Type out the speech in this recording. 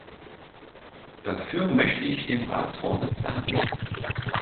Dafür möchte ich dem Ratsvorsitz danken.